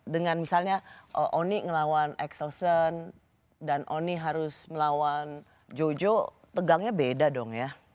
dengan misalnya oni ngelawan exelsen dan oni harus melawan jojo pegangnya beda dong ya